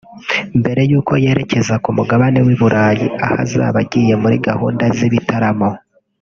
Mbere y’uko yerekeza ku mugabane w’uburayi aho azaba agiye muri gahunda z’ibitaramo